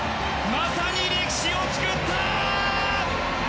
まさに歴史を作った！